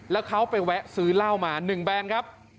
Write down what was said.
แล้วเขาไปแวะซื้อเหล้ามา๑แบรนด์ครับ